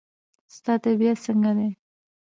ستا طبیعت څنګه دی؟